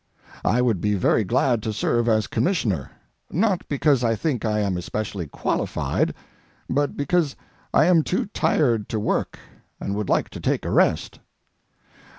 I would be very glad to serve as commissioner, not because I think I am especially qualified, but because I am too tired to work and would like to take a rest.